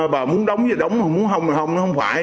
bà muốn đóng thì đóng muốn không thì không nó không phải